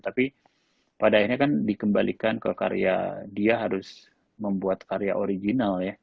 tapi pada akhirnya kan dikembalikan ke karya dia harus membuat karya original ya